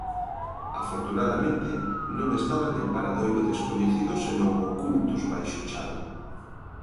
Afortunadamente, non estaban en paradoiro descoñecido, senón ocultos baixo chave.